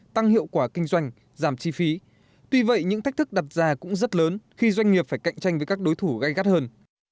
tăng hiệu quả kinh doanh giảm chi phí tuy vậy những thách thức đặt ra cũng rất lớn khi doanh nghiệp phải cạnh tranh với các đối thủ gai gắt hơn